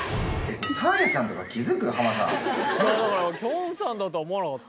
だからきょんさんだとは思わなかった。